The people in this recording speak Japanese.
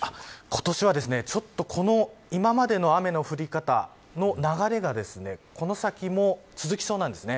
今年は、今までの雨の降り方の流れがこの先も続きそうなんです。